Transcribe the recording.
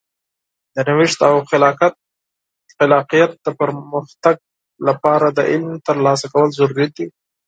د نوښت او خلاقیت د پرمختګ لپاره د علم ترلاسه کول ضروري دي.